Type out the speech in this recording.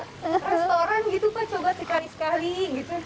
restoran gitu pak coba sekali sekali gitu